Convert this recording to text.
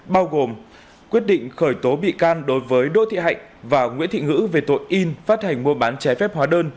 bao gồm quyết định khởi tố bị can đối với đỗ thị hạnh và nguyễn thị ngữ về tội in phát hành mua bán trái phép hóa đơn